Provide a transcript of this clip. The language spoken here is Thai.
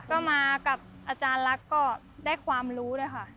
ก็มากับอาจารย์ลักษณ์ก็ได้ความรู้เลยค่ะ